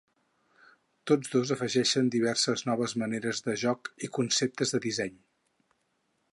Tots dos afegeixen diverses noves maneres de joc i conceptes de disseny.